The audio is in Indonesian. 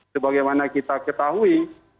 sebagaimana kita ketahui